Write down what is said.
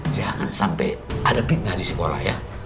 jangan sampai ada fitnah di sekolah ya